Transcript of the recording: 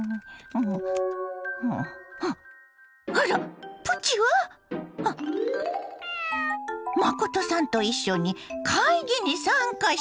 真さんと一緒に会議に参加してるわ。